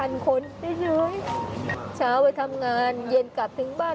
น้องไม่เคยเป็นเด็กเก่งมาเล่เก่งเล่